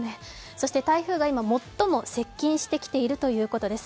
そして台風が今、最も接近してきているということです。